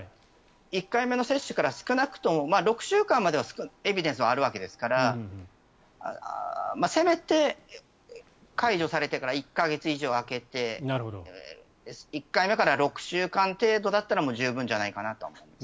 １回目の接種から少なくとも６週間はエビデンスがあるわけですから解除されてから１か月以上空けて１回目から６週間程度だったら十分じゃないかなとは思います。